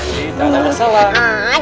tak ada masalah